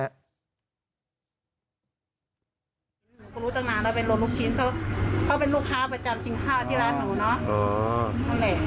หลังจากลูกชิ้นเขาเป็นลูกค้าประจำกินข้าวที่ร้านหนูเนาะ